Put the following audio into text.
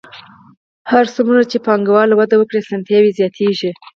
هر څومره چې پانګوالي وده وکړي اسانتیاوې زیاتېږي